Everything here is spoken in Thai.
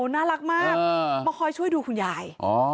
น่ารักมากมาคอยช่วยดูคุณยาย